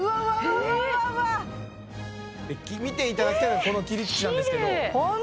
ええっ！で見ていただきたいのはこの切り口なんですけどええっ！